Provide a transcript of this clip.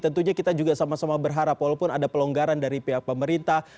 tentunya kita juga sama sama berharap walaupun ada pelonggaran dari pihak pemerintah